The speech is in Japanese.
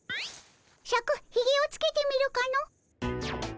シャクひげをつけてみるかの？